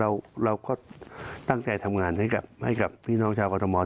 เราก็ตั้งใจทำงานให้กับพี่น้องชาวกรทม